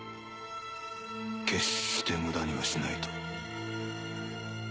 決して無駄にはしないと。